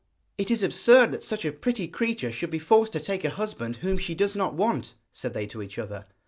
'It is absurd that such a pretty creature should be forced to take a husband whom she does not want,' said they to each other.